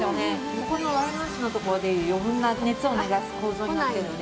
横のＹの字の所で余分な熱を逃がす構造になってるので。